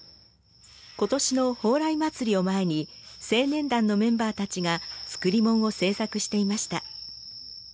今年のほうらい祭りを前に青年団のメンバーたちが造り物を制作していました。